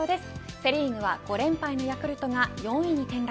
セ・リーグは５連敗のヤクルトが４位に転落。